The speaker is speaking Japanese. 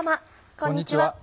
こんにちは。